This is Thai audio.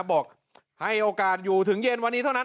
บอกให้โอกาสอยู่ถึงเย็นวันนี้เท่านั้น